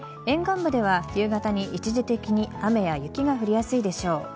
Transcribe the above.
沿岸部では夕方に一時的に雨や雪が降りやすいでしょう。